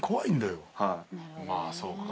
まあそうか。